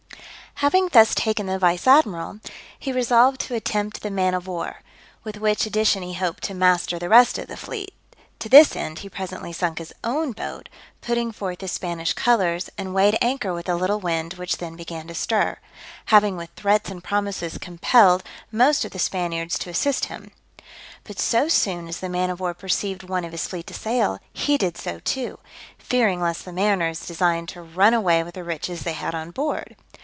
Having thus taken the vice admiral, he resolved to attempt the man of war, with which addition he hoped to master the rest of the fleet: to this end he presently sunk his own boat, putting forth the Spanish colours, and weighed anchor with a little wind which then began to stir, having with threats and promises compelled most of the Spaniards to assist him: but so soon as the man of war perceived one of his fleet to sail, he did so too, fearing lest the mariners designed to run away with the riches they had on board.